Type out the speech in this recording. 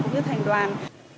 cũng như thành đoàn